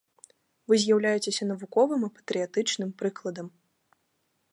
Вы з'яўляецеся навуковым і патрыятычным прыкладам.